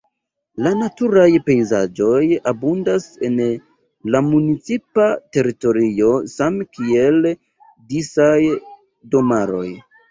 La naturaj pejzaĝoj abundas en la municipa teritorio same kiel disaj domaroj.